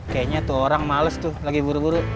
kayaknya tuh orang males tuh lagi buru buru